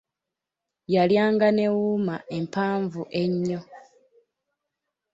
Yalya nga ne wuma empanvu ennyo.